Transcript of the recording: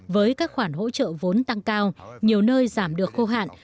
với các khoản hỗ trợ vốn tăng cao nhiều nơi giảm được khô hạn